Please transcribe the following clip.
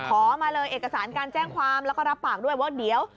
ขอมาเลยเอกสารการแจ้งความแล้วก็รับปากด้วยว่าเดี๋ยว